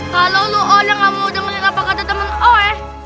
kalau lo gak mau dengerin apa kata temen oe